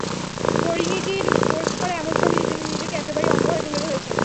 পরিনীতির post করা এসব ছবিতে তিনি নিজেকে একেবারেই অন্যভাবে তুলে ধরেছেন।